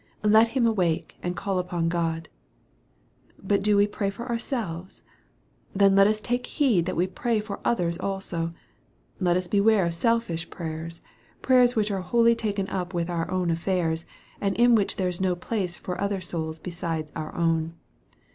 Let him awake, and call upon God. But do we pray for ourselves ? Then let us take heed that we pray for others also. Let us beware of selfish prayers prayers which are wholly taken up with our own affairs, and in which there is no place for other souls be side our own.